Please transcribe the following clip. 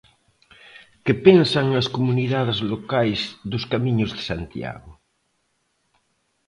Que pensan as comunidades locais dos Camiños de Santiago?